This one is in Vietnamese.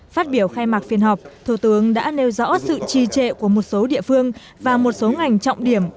phát biểu khai mạc phiên họp thủ tướng đã nêu rõ sự trì trệ của một số địa phương và một số ngành trọng điểm